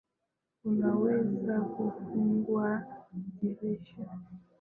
Unaweza kufungua dirisha.